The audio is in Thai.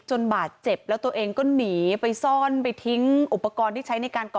บาดเจ็บแล้วตัวเองก็หนีไปซ่อนไปทิ้งอุปกรณ์ที่ใช้ในการก่อ